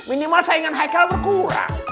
minimal saingan haikal berkurang